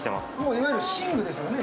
いわゆる寝具ですよね